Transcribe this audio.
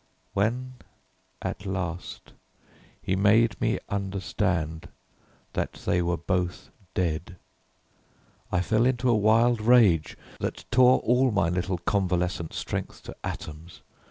When at last he made me understand that they were both dead, I fell into a wild rage that tore all my little convalescent strength to atoms.